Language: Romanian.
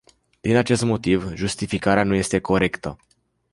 Din acest motiv, justificarea nu este corectă.